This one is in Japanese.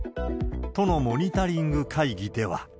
都のモニタリング会議では。